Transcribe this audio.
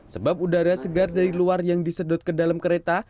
sebab udara segar dari luar yang disedot ke dalam kereta